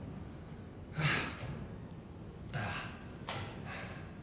ハァ。